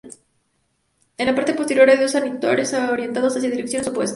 En la parte posterior hay dos santuarios orientados hacia direcciones opuestas.